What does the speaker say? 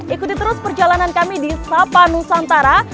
ikuti terus perjalanan kami di sapanusantara